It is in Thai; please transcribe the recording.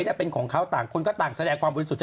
แต่เป็นของเขาต่างคนก็ต่างแสดงความบริสุทธิ์